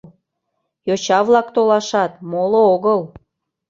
— Йоча-влак толашат, моло огыл.